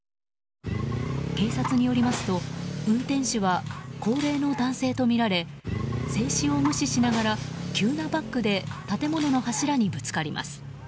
警察によりますと運転手は高齢の男性とみられ制止を無視しながら急なバックで建物の柱にぶつかります。